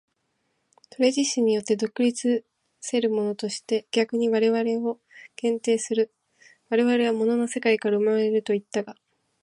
それ自身によって独立せるものとして逆に我々を限定する、我々は物の世界から生まれるといったが、